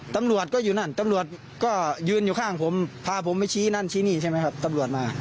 ตำรวจก็อยู่นั่นตำรวจก็ยืนอยู่ข้างผมพาผมไปชี้นั่นชี้นี่ใช่ไหมครับตำรวจมา